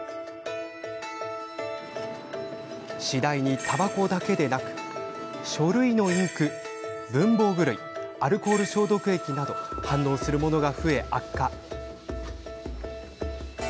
次第に、たばこだけでなく書類のインク、文房具類アルコール消毒液など反応するものが増え、悪化。